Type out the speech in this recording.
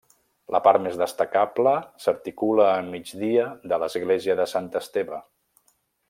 La part més destacable s'articula a migdia de l'església de Sant Esteve.